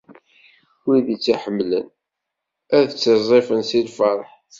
Wid i tt-iḥemmlen, ad ttiẓẓifen si lferḥ.